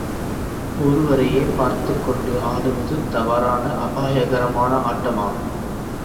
ஒருவரையே பார்த்துக்கொண்டு ஆடுவது தவறான, அபாயகரமான ஆட்டமாகும்.